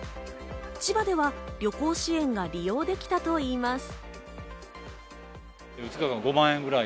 千葉では旅行支援が利用できたといいます。